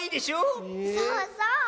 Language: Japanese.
そうそう！